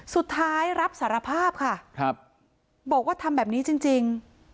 สุดท้ายรับสารภาพค่ะครับบอกว่าทำแบบนี้จริง